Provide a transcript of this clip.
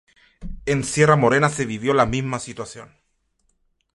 En Sierra Morena se vivió la misma situación.